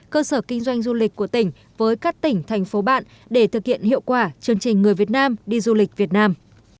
cơ sở kinh doanh du lịch của tỉnh với các tỉnh thành phố bạn để thực hiện hiệu quả chương trình người việt nam đi du lịch việt nam